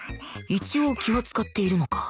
一応気は使っているのか